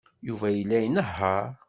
Yuba yella inehheṛ.